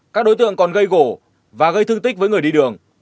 các đối tượng còn gây gổ và gây thương tích với người đi đường